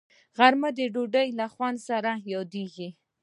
غرمه د ډوډۍ له خوند سره یادیږي